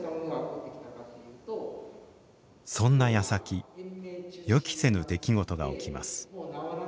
そんなやさき予期せぬ出来事が起きます。